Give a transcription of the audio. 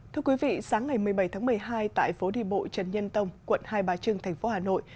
thưa quý vị sáng ngày một mươi bảy tháng một mươi hai tại phố đi bộ trần nhân tông quận hai bà trưng thành phố hà nội